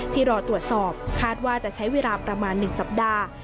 รอตรวจสอบคาดว่าจะใช้เวลาประมาณ๑สัปดาห์